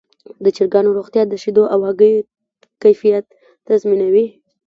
د چرګانو روغتیا د شیدو او هګیو کیفیت تضمینوي.